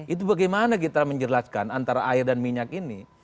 itu bagaimana kita menjelaskan antara air dan minyak ini